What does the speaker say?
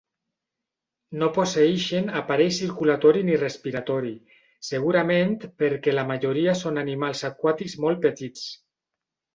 No posseïxen aparell circulatori ni respiratori, segurament perquè la majoria són animals aquàtics molt petits.